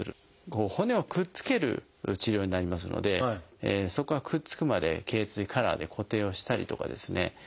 骨をくっつける治療になりますのでそこがくっつくまで頚椎カラーで固定をしたりとかですね